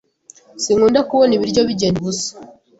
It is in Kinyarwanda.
Sinkunda kubona ibiryo bigenda ubusa.